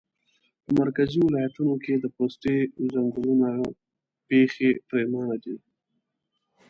په مرکزي ولایتونو کې د پوستې ځنګلونه پیخي پرېمانه دي